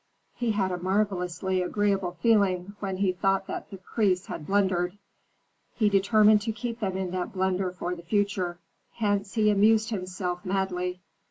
He had a marvellously agreeable feeling when he thought that the priests had blundered. He determined to keep them in that blunder for the future; hence he amused himself madly.